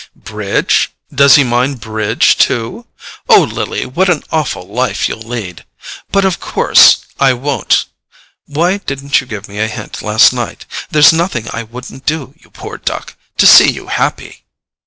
"Bridge? Does he mind bridge, too? Oh, Lily, what an awful life you'll lead! But of course I won't—why didn't you give me a hint last night? There's nothing I wouldn't do, you poor duck, to see you happy!"